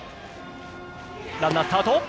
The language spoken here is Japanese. ランナー、スタート！